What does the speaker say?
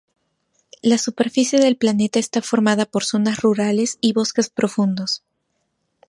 La superficie del planeta está formada por zonas rurales y bosques profundos.